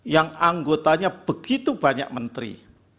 yang anggotanya begitu banyak menteri